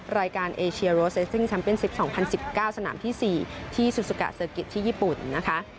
รายการเอเชียโรเซซิ่งแมนซิป๒๐๑๙สนามที่๔ที่ซูซูกะเซอร์กิจที่ญี่ปุ่นนะคะ